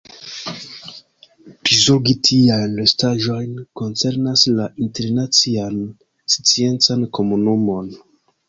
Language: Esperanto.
Prizorgi tiajn restaĵojn koncernas la internacian sciencan komunumon.